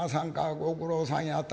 ご苦労さんやった。